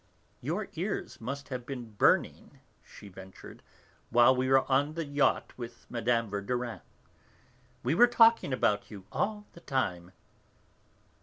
"Your ears must have been burning," she ventured, "while we were on the yacht with Mme. Verdurin. We were talking about you all the time."